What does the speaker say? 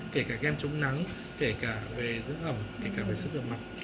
kể cả kem chống nắng kể cả về giữ ẩm kể cả về sức ẩm mặt